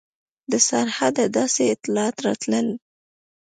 د سرحده داسې اطلاعات راتلل.